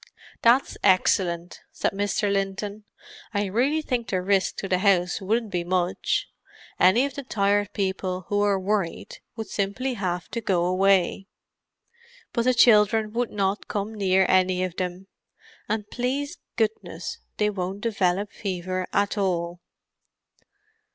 "That's excellent," said Mr. Linton. "I really think the risk to the house wouldn't be much. Any of the Tired People who were worried would simply have to go away. But the children would not come near any of them; and, please goodness, they won't develop fever at all."